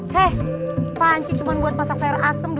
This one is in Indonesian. hei panci cuma buat masak sayur asem